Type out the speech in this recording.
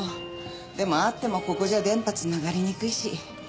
でもあってもここじゃ電波つながりにくいし。